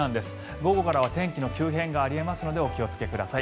午後からは天気の急変があり得ますのでお気をつけください。